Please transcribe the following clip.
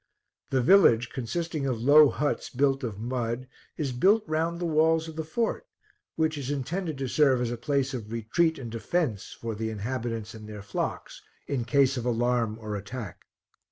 The village, consisting of low huts, built of mud, is built round the walls of the fort, which is intended to serve as a place of retreat and defense for the inhabitants and their flocks, in case of alarm or attack.